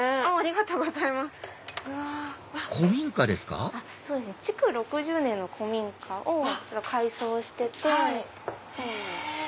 古民家ですか築６０年の古民家を改装してて。